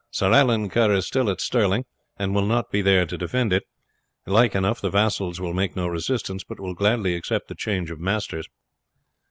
Sir Allan Kerr is still at Stirling, and will not be there to defend it. Like enough the vassals will make no resistance, but will gladly accept the change of masters.